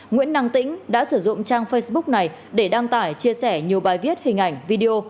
nguyễn năng tĩnh đã sử dụng trang facebook này để đăng tải chia sẻ nhiều bài viết hình ảnh video